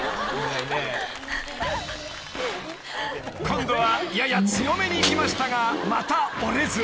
［今度はやや強めにいきましたがまた折れず］